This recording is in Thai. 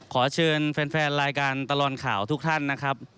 ขอเชิญแฟนรายการตลอดข่าวทุกท่านนะครับ